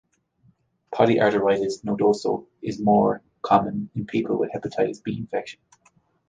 Polyarteritis nodosa is more common in people with hepatitis B infection.